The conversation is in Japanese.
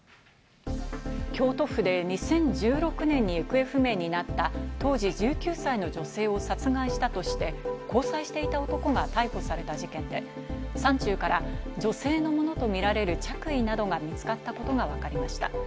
京都府で２０１６年に行方不明になった当時１９歳の女性を殺害したとして、交際していた男が逮捕された事件で、山中から女性のものとみられる着衣などが見つかったことがわかりました。